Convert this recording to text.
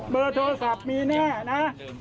ในโทรศัพท์มีแน่นะ